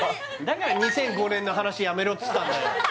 だから２００５年の話やめろっつったんだよ